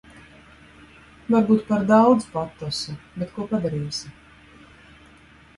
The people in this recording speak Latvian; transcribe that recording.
Varbūt par daudz patosa, bet ko padarīsi.